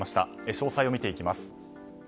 詳細を見ていきます。